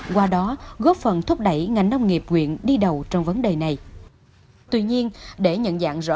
qua đó góp phần thúc đẩy ngành nông nghiệp quyện đi đầu trong vấn đề này tuy nhiên để nhận dạng rõ